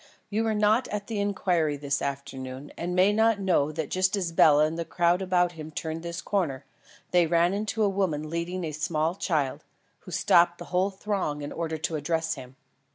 "You were not at the inquiry this afternoon, and may not know that just as Bela and the crowd about him turned this corner, they ran into a woman leading a small child, who stopped the whole throng in order to address him.